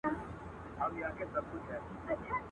ایله پوه د خپل وزیر په مُدعا سو.